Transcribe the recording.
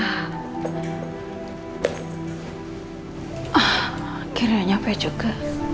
akhirnya nyampe juga